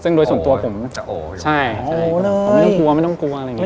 ซึ่งโดยส่วนตัวผมไม่ต้องกลัว